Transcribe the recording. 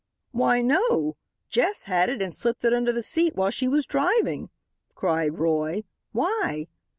"Why, no. Jess had it and slipped it under the seat while she was driving," cried Roy. "Why?"